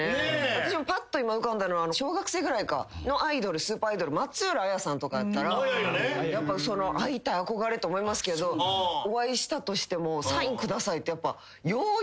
私もぱっと今浮かんだのは小学生ぐらいかアイドルスーパーアイドル松浦亜弥さんとかだったらやっぱ会いたい憧れと思いますけどお会いしたとしても。